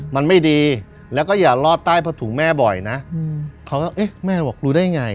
มันไม่ดีแล้วก็อย่ารอดใต้ผ้าถุงแม่บ่อยนะเขาก็เอ๊ะแม่บอกรู้ได้ไง